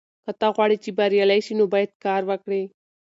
که ته غواړې چې بریالی شې نو باید کار وکړې.